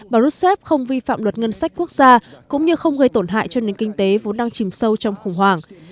bà rốt xếp không vi phạm luật ngân sách quốc gia cũng như không gây tổn hại cho nền kinh tế vốn đang chìm sâu trong khủng hoảng